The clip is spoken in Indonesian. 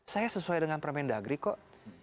saya sesuai dengan permendagri kok